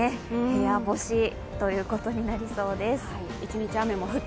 部屋干しということになりそうです。